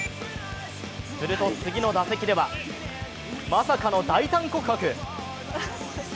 すると次の打席では、まさかの大胆告白。